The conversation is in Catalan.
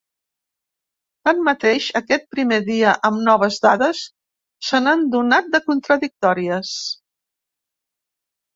Tanmateix, aquest primer dia amb noves dades se n’han donat de contradictòries.